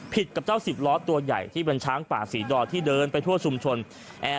กับเจ้าสิบล้อตัวใหญ่ที่เป็นช้างป่าศรีดอที่เดินไปทั่วชุมชน